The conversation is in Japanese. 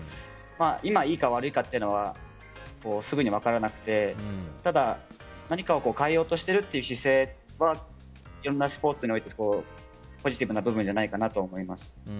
今、いいか悪いかはすぐに分からなくてただ、何かを変えようとしている姿勢はいろんなスポーツにおいてポジティブな部分じゃないかなと思います。